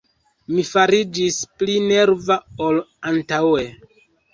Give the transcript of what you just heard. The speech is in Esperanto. Mi fariĝis pli nerva ol antaŭe.